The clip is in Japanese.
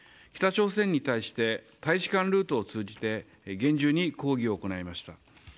北朝鮮に対して大使館ルートを通じて厳重に抗議を行いました。